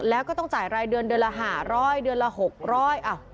แล้วก็ต้องจ่ายรายเดือนเดือนละห้าร้อยเดือนละหกร้อยอ่ะ